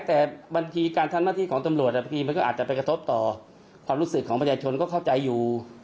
แต่บางทีการทำหน้าที่ของตำรวจบางทีมันก็อาจจะไปกระทบต่อความรู้สึกของประชาชนก็เข้าใจอยู่